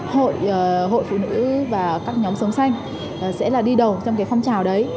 hội phụ nữ và các nhóm sống xanh sẽ là đi đầu trong cái phong trào đấy